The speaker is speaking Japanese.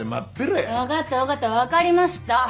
わかったわかったわかりました！